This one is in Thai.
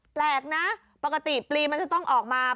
แปลกนะปกติปลีมันจะต้องออกมา